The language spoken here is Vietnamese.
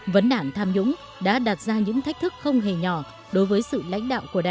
vấn đảng tham nhũng đã đạt ra những thách thức không hề nhỏ đối với sự lãnh đạo